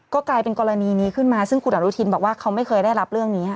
ก็กลายเป็นกรณีนี้ขึ้นมาซึ่งคุณอนุทินบอกว่าเขาไม่เคยได้รับเรื่องนี้